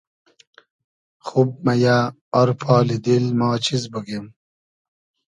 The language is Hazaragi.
خوب مئیۂ آر پالی دیل ما چیز بوگیم